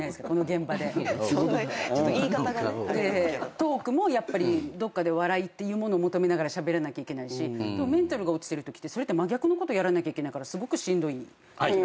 トークもやっぱりどっかで笑いっていうもの求めながらしゃべらなきゃいけないしメンタルが落ちてるときって真逆をやらなきゃいけないからすごくしんどい。